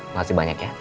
makasih banyak ya